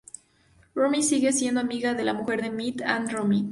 Romney sigue siendo amiga de la mujer de Mitt, Ann Romney.